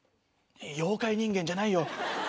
妖怪人間じゃないよ。